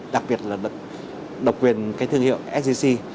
đặc biệt là độc quyền thương hiệu sgc